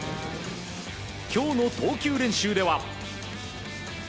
今日の投球練習では。